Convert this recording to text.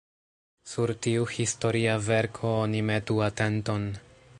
Sur tiu historia verko oni metu atenton.